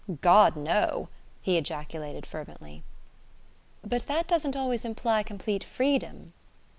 "God, no!" he ejaculated fervently. "But that doesn't always imply complete freedom...."